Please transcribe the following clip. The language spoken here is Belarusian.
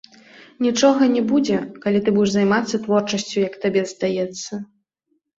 Нічога не будзе, калі ты будзеш займацца творчасцю, як табе здаецца.